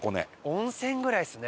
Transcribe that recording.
温泉ぐらいですね。